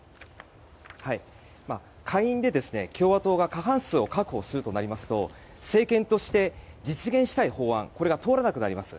下院で共和党が過半数を確保するとなりますと政権として、実現したい法案が通らなくなります。